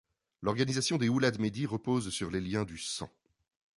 L'organisation des Oulad Mehdi repose sur les liens du sang.